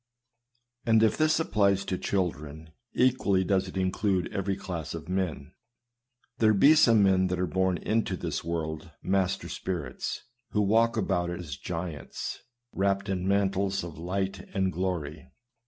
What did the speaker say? And if this applies to children, equally does it include every class of men. There be some men that are born into tins world master spirits, who walk about it as giants, wrapped in mantles of light and glory.